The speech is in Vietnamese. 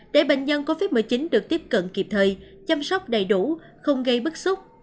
để bệnh nhân covid một mươi chín được tiếp cận kịp thời chăm sóc đầy đủ không gây bức xúc